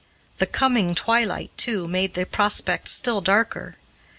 The coming twilight, too, made the prospect still darker.